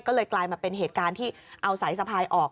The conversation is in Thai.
ก็เลยกลายมาเป็นเหตุการณ์ที่เอาสายสะพายออก